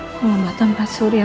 pengambatan pak surya